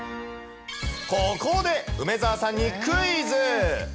ここで梅澤さんにクイズ。